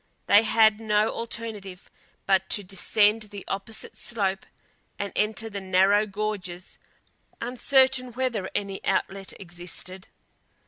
They had no alternative but to descend the opposite slope and enter the narrow gorges, uncertain whether any outlet existed.